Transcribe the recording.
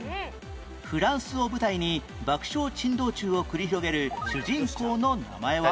フランスを舞台に爆笑珍道中を繰り広げる主人公の名前は？